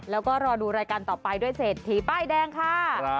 แล้วก็รอดูรายการต่อไปด้วยเศรษฐีป้ายแดงค่ะ